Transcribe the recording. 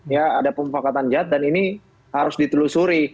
ya ada pemufakatan jahat dan ini harus ditelusuri